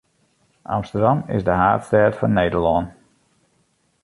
Amsterdam is de haadstêd fan Nederlân.